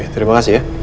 terima kasih ya